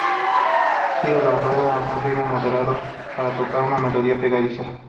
Gira la rueda a un ritmo moderado para tocar una melodía pegadiza.